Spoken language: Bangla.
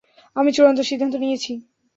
আমি চূড়ান্ত সিদ্ধান্ত নিয়েছি।